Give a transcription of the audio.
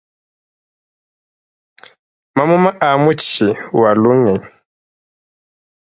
Mamuma a mutshi wa lugenyi.